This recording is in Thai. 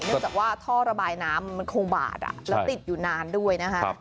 จากว่าท่อระบายน้ำมันคงบาดแล้วติดอยู่นานด้วยนะคะ